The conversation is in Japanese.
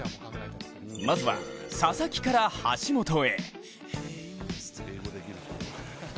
まずは佐々木から橋本へ。